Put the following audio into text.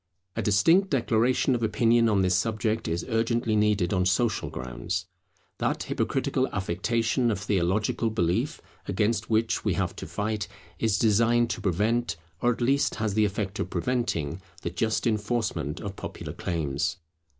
A distinct declaration of opinion on this subject is urgently needed on social grounds. That hypocritical affectation of theological belief against which we have to fight, is designed to prevent, or at least has the effect of preventing, the just enforcement of popular claims.